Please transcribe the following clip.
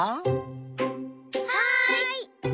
はい！